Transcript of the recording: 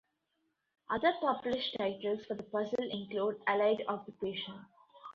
Other published titles for the puzzle include "Allied Occupation".